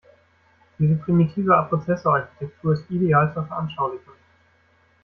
Diese primitive Prozessorarchitektur ist ideal zur Veranschaulichung.